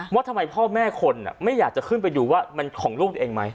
ว่าทำไมพ่อแม่คนไม่อยากจะขึ้นไปดูว่ามันของลูกตัวเองไหม